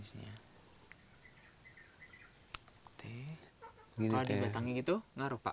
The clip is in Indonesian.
kalau dibatangin itu ngaruh pak